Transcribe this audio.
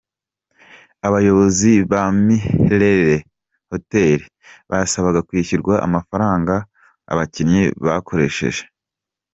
Abayobozi ba Milele Hotel basabaga kwishyurwa amafaranga aba bakinnyi bakoresheje.